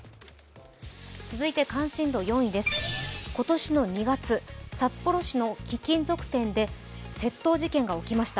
続いて関心度４位です今年の２月札幌市の貴金属店で窃盗事件が起きました。